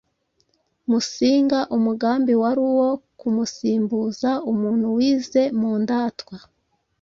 Musinga: umugambi wari uwo kumusimbuza umuntu wize mu ndatwa